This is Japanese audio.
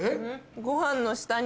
ご飯の下に。